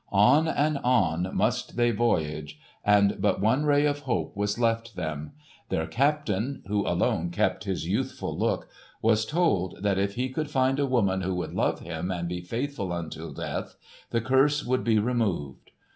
On and on must they voyage, and but one ray of hope was left them. Their captain—who alone kept his youthful look—was told that if he could find a woman who would love him and be faithful until death, the curse would be removed.